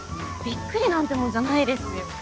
びっくりなんてもんじゃないですよ。